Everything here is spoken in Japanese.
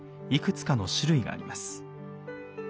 いくつかの種類があります。